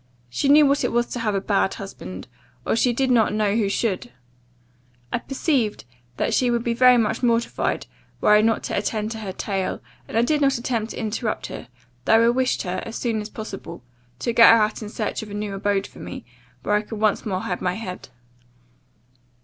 'She knew what it was to have a bad husband, or she did not know who should.' I perceived that she would be very much mortified, were I not to attend to her tale, and I did not attempt to interrupt her, though I wished her, as soon as possible, to go out in search of a new abode for me, where I could once more hide my head.